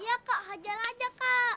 iya kak hajar aja kak